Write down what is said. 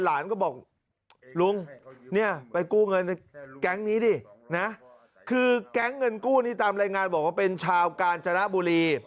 หลานก็บอกลุงเนี่ยไปกู้เงินในแก๊งนี้ดินะคือแก๊งเงินกู้นี่ตามรายงานบอกว่าเป็นชาวกาญจนบุรี